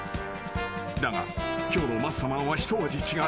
［だが今日のマッサマンは一味違う］